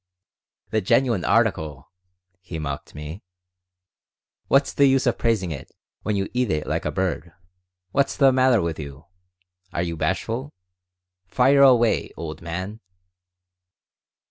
"'The genuine article'!" he mocked me. "What's the use praising it when you eat it like a bird? What's the matter with you? Are you bashful? Fire away, old man!"